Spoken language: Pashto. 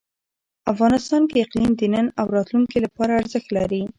افغانستان کې اقلیم د نن او راتلونکي لپاره ارزښت لري.